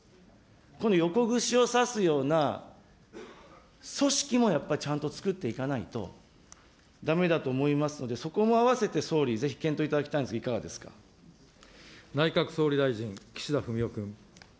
この横ぐしをさすような組織もやっぱちゃんと作っていかないとだめだと思いますので、そこも併せて総理、ぜひ検討いただきたいん内閣総理大臣、岸田文雄君。